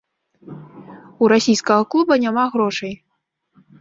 У расійскага клуба няма грошай.